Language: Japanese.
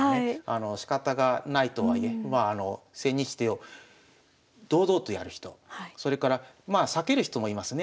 しかたがないとはいえ千日手を堂々とやる人それからまあ避ける人もいますね。